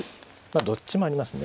どっちもありますね。